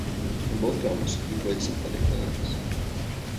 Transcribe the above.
In both films he played sympathetic villains.